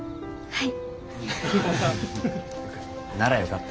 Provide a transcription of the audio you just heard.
はい。